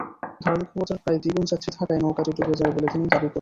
ধারণক্ষমতার প্রায় দ্বিগুণ যাত্রী থাকায় নৌকাটি ডুবে যায় বলে তিনি দাবি করেন।